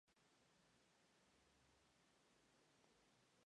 La ciudad otomana era verde, como muchos viajeros han descrito.